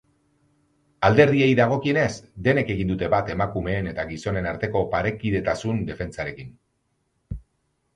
Alderdiei dagokienez, denek egin dute bat emakumeen eta gizonen arteko parekidetasun defentsarekin.